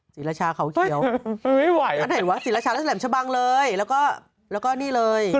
สีราชาเข้าเคี้ยวท่านเห็นไหมสีราชาแล้วแสดงชะบังเลยแล้วก็นี่เลย